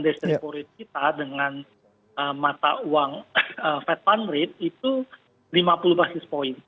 destripo rate kita dengan mata uang fed fund rate itu lima puluh basis point